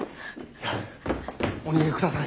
お逃げください。